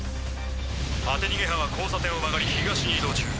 当て逃げ犯は交差点を曲がり東に移動中。